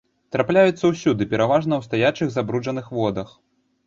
Трапляюцца ўсюды, пераважна ў стаячых забруджаных водах.